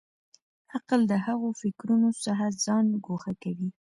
عقل د هغو فکرونو څخه ځان ګوښه کوي.